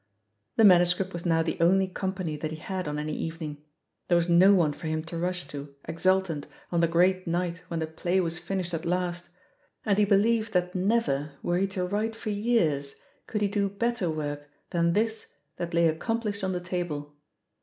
The manuscript was now the only company that he had on any evening. There was no one for him to rush to, exultant, on the great night 98 THE POSITION OF PEGGY HARPER when the play was finished at last and he be lieved that never, were he to write for years, could he do better work than this that lay accom plished on the table.